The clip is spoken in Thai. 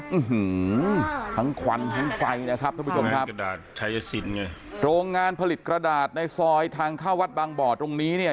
อืมทั้งควันทั้งไฟนะครับท่านผู้ชมครับกระดาษชายสินไงโรงงานผลิตกระดาษในซอยทางเข้าวัดบางบ่อตรงนี้เนี่ย